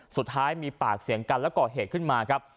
สุดท้ายมีปากเสียงกันแล้วก่อเหตุขึ้นมาครับ